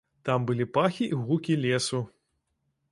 Там былі пахі і гукі лесу.